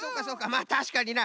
まあたしかにな。